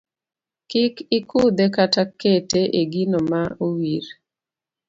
Kik ikudhe kata kete e gino ma owir.